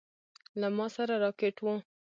له ما سره راکټ و.